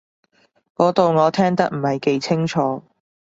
嗰度我聽得唔係幾清楚